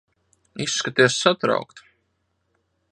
Izskaties satraukta.